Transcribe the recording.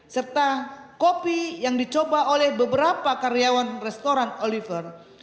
serta kopi yang dicoba oleh beberapa karyawan restoran oliver